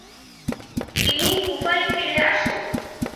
তিনি কুফায় ফিরে আসেন।